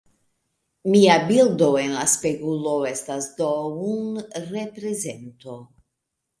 Mia bildo en la spegulo estas do un reprezento.